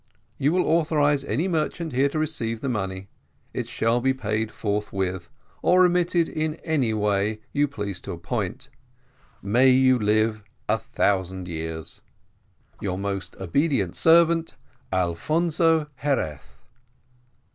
If you will authorise any merchant here to receive the money, it shall be paid forthwith, or remitted in any way you please to appoint. May you live a thousand years. "Your most obedient servant: "ALFONZO XEREZ."